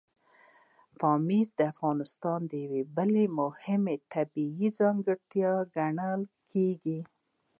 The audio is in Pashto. پامیر د افغانستان یوه بله مهمه طبیعي ځانګړتیا ګڼل کېږي.